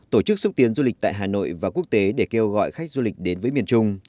tổ chức xúc tiến du lịch tại hà nội và quốc tế để kêu gọi khách du lịch đến với miền trung